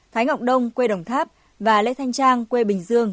thái ngọc đông quê đồng tháp và lê thanh trang quê bình dương